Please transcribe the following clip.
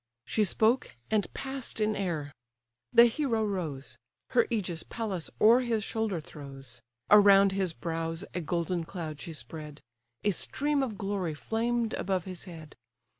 She spoke, and pass'd in air. The hero rose: Her ægis Pallas o'er his shoulder throws; Around his brows a golden cloud she spread; A stream of glory flamed above his head.